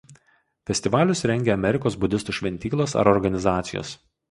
Festivalius rengia Amerikos budistų šventyklos ar organizacijos.